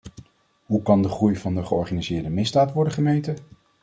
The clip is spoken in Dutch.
Hoe kan de groei van de georganiseerde misdaad worden gemeten?